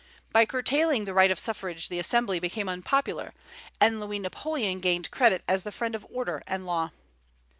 By curtailing the right of suffrage the Assembly became unpopular, and Louis Napoleon gained credit as the friend of order and law.